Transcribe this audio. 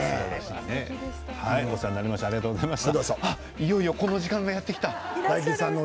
いよいよこの時間がやってきた。